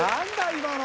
今の！